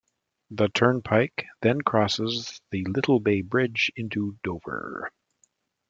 The Turnpike then crosses the Little Bay Bridge into Dover.